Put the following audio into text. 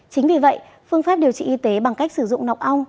chính vì vậy phương pháp điều trị y tế bằng cách sử dụng nọc ong